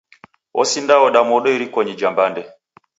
Osindaoda modo irikonyi ja mbande.